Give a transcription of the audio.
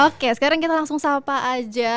oke sekarang kita langsung sapa aja